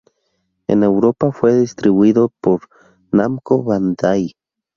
En Europa fue distribuido por Namco Bandai.